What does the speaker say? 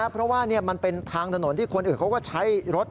เพราะว่ามันเป็นทางถนนที่คนอื่นเขาก็ใช้รถ